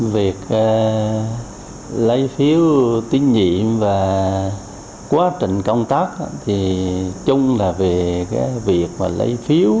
việc lấy phiếu tín nhiệm và quá trình công tác thì chung là về cái việc mà lấy phiếu